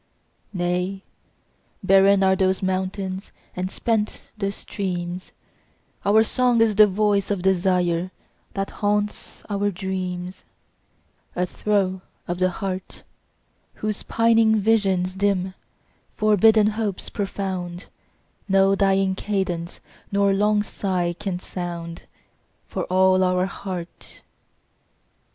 Nay, barren are those mountains and spent the streams: Our song is the voice of desire, that haunts our dreams, A throe of the heart, Whose pining visions dim, forbidden hopes profound, 10 No dying cadence nor long sigh can sound, For all our art.